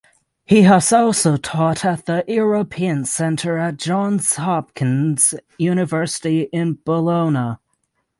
He has also taught at the European Center at Johns Hopkins University in Bologna.